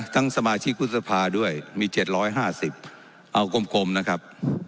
ทั้งสมาชิกวุฒภาด้วยมีเจ็ดร้อยห้าสิบเอากลมกลมนะครับ